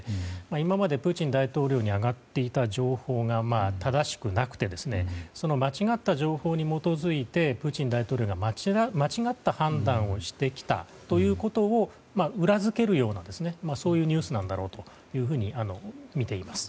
今までプーチン大統領に上がっていた情報が正しくなくて間違った情報に基づいてプーチン大統領が間違った判断をしてきたということを裏付けるようなニュースなのだろうとみています。